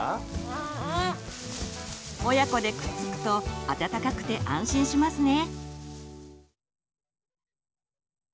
親子でくっつくと暖かくて安心しますね。